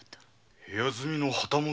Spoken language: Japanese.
部屋住みの旗本？